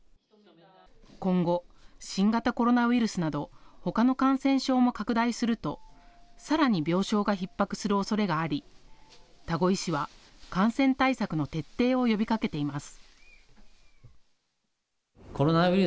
今後、新型コロナウイルスなどほかの感染症も拡大するとさらに病床がひっ迫するおそれがあり多湖医師は感染対策の徹底を呼びかけています。